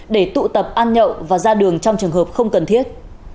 để tụ tập ăn nhậu và ra đường trong trường hợp không cần thiết